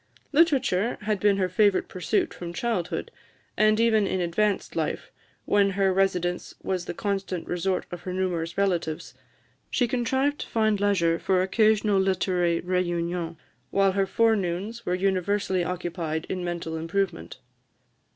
Literature had been her favourite pursuit from childhood, and even in advanced life, when her residence was the constant resort of her numerous relatives, she contrived to find leisure for occasional literary réunions, while her forenoons were universally occupied in mental improvement.